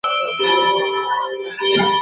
石宝茶藤